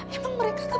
emang mereka kemana ya